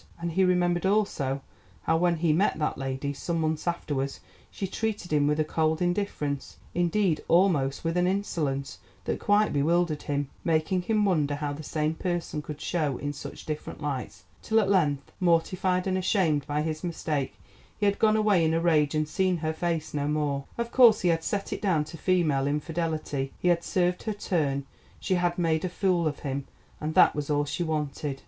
And he remembered also, how when he met that lady some months afterwards she treated him with a cold indifference, indeed almost with an insolence, that quite bewildered him, making him wonder how the same person could show in such different lights, till at length, mortified and ashamed by his mistake, he had gone away in a rage and seen her face no more. Of course he had set it down to female infidelity; he had served her turn, she had made a fool of him, and that was all she wanted.